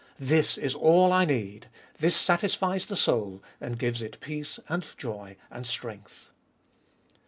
This is all I need ! this satisfies the soul, and gives it peace and joy and strength.